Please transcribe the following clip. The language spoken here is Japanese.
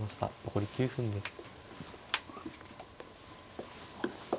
残り９分です。